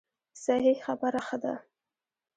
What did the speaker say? صحیح خبره ښه ده.